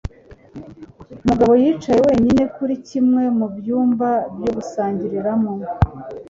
Mugabo yicaye wenyine kuri kimwe mu byumba byo gusangiriramo.